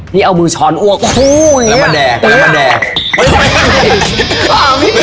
นี่เอามือช้อนอวกคู่อย่างนั้นแหละ